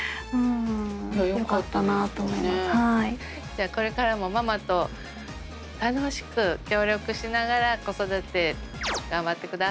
じゃあこれからもママと楽しく協力しながら子育て頑張ってください。